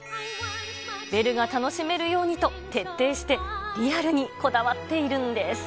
ベルが楽しめるようにと、徹底してリアルにこだわっているんです。